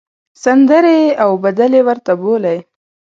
سندرې او بدلې ورته بولۍ.